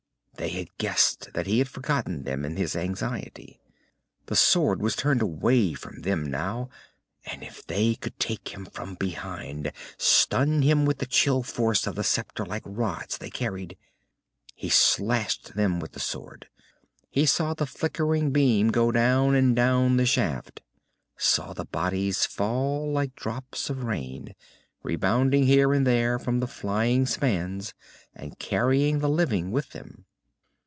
They had guessed that he had forgotten them in his anxiety. The sword was turned away from them now, and if they could take him from behind, stun him with the chill force of the sceptre like rods they carried.... He slashed them with the sword. He saw the flickering beam go down and down the shaft, saw the bodies fall like drops of rain, rebounding here and there from the flying spans and carrying the living with them.